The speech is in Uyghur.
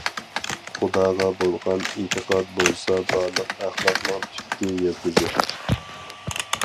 خۇداغا بولغان ئېتىقاد بولسا بارلىق ئەخلاقنىڭ تۈپكى يىلتىزى.